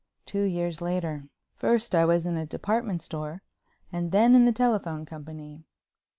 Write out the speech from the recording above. —two years later. First I was in a department store and then in the Telephone Company.